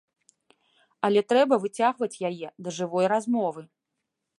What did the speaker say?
Але трэба выцягваць яе да жывой размовы.